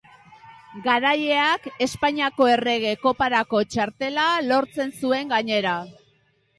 Garaileak Espainiako Errege Koparako txartela lortzen zuen gainera.